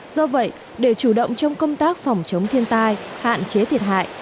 do vậy để chủ động trong công tác phòng chống thiên tai hạn chế thiệt hại